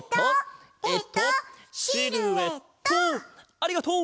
ありがとう！